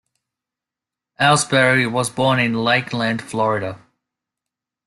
Elsberry was born in Lakeland, Florida.